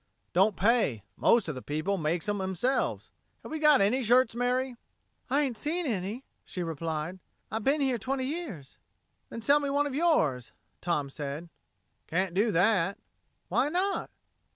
"Don't pay. Most of the people makes 'em 'emselves. Have we got any shirts, Mary?" "I ain't never seen any," she replied. "I bin here twenty years." "Then sell me one of yours," Tom said. "Can't do that." "Why not?"